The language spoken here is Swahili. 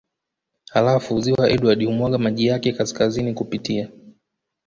Halafu ziwa Edward humwaga maji yake kaskazini kupitia